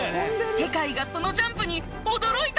世界がそのジャンプに驚いたのです。